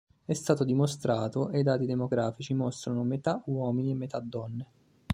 È stato dimostrato, e i dati demografici mostrano metà uomini e metà donne.